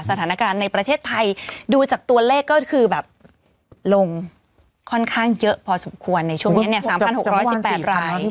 สถานการณ์ในประเทศไทยดูจากตัวเลขก็คือแบบลงค่อนข้างเยอะพอสมควรในช่วงนี้เนี่ย๓๖๑๘ราย